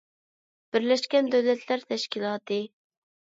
بىرلەشكەن دۆلەتلەر تەشكىلاتى